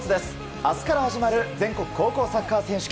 明日から始まる全国高校サッカー選手権。